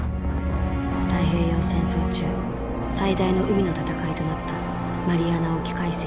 太平洋戦争中最大の海の戦いとなったマリアナ沖海戦。